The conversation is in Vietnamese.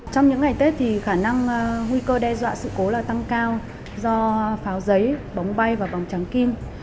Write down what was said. trong những ngày tết thì khả năng nguy cơ đe dọa sự cố là tăng cao do pháo giấy bóng bay và bóng trắng kim